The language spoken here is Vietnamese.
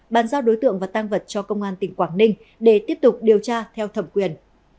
bàn giao đối tượng và tăng vật cho công an tỉnh quảng ninh để tiếp tục điều tra theo thẩm quyền